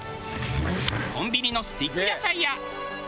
コンビニのスティック野菜や。